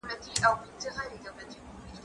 زه مخکي د ښوونځی لپاره تياری کړی وو،